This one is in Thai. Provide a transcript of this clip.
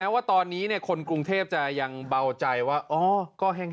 ว่าตอนนี้คนกรุงเทพจะยังเบาใจว่าอ๋อก็แห้ง